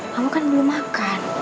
kamu kan belum makan